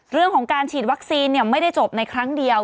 เรื่องของการฉีดวัคซีนไม่ได้จบในครั้งเดียว